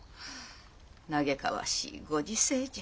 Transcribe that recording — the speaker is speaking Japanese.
嘆かわしい御時世じゃ。